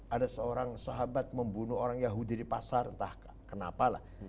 ada seorang sahabat membunuh orang yahudi di pasar entah kenapalah